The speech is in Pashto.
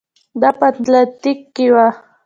دا په اتلانتیک کې و.